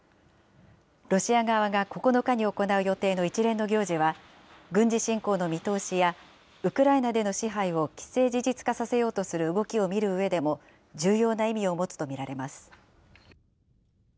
ロシア側が９日に行う予定の一連の行事は、軍事侵攻の見通しや、ウクライナでの支配を既成事実化させようとする動きを見るうえでも、重要な意味を持つと見られます。